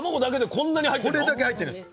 これだけ入ってるんです。